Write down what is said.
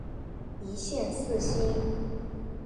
一线四星。